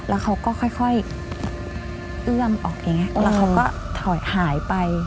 แล้วเขาก็ค่อยเอื้อมออกอย่างนี้แล้วเขาก็ถอยหายไป